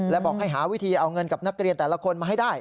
และบอกให้หาวิธีเอาเงินกับนักเรียนแต่ละคนมาให้ได้